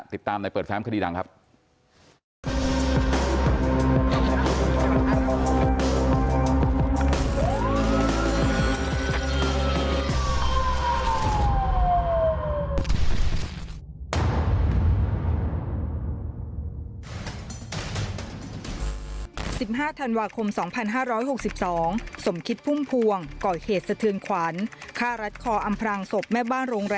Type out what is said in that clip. ติดตามในเปิดแฟมคดีดังครับ